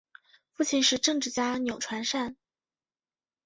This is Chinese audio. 父亲是政治家钮传善。